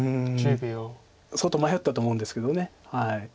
相当迷ったと思うんですけど。